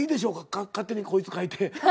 勝手にこいつ描いて。